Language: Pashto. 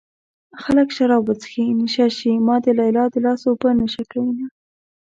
خلک شراب وڅښي نشه شي ما د ليلا د لاس اوبه نشه کوينه